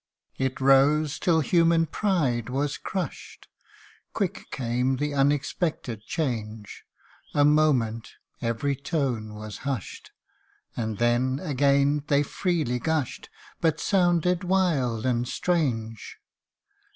It rose, till human pride was crushed Quick came the unexpected change ; A moment every tone was hushed, And then again they freely gushed, But sounded wild and strange.